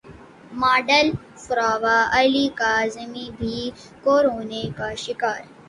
model Farwa Ali Kazmi بھی corona کا شکار